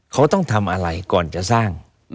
เขาต้องทำอะไรก่อนจะสร้าง